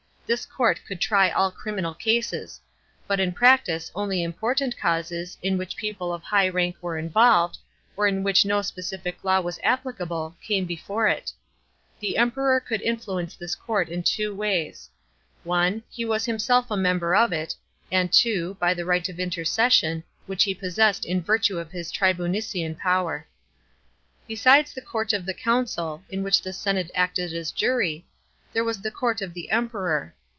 This court could try all criminal cases ; but in practice only important causes, in which people of high rank were involved, or in which no specific law was applicable, came before it. The Emperor could influence this court in two ways, (1) as he was himself a member of it, and (2) by the riiiht of intercession, which he possessed in virtue of his tribunician power. * See below. Chap. VL 34 GOVEKNMENT OF PRINCEPS AND SENATE. CHA! m. Besides the court of the consul, in which the senate acted as jury, the e was the court of the Emperor.